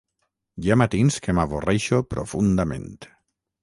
Hi ha matins que m'avorreixo profundament.